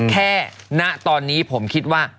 ณตอนนี้ผมคิดว่า